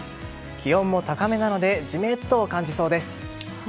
気温も高めなのでジメッと感じそうです。